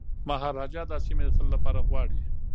مهاراجا دا سیمي د تل لپاره غواړي.